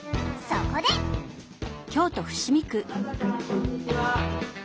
こんにちは。